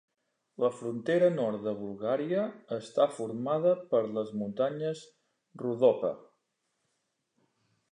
La frontera nord de Bulgària està formada per les muntanyes Rhodope.